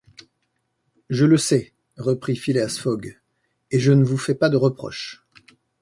Je le sais, reprit Phileas Fogg, et je ne vous fais pas de reproche.